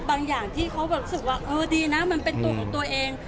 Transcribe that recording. อย่างที่เขาแบบรู้สึกว่าเออดีนะมันเป็นตัวของตัวเอง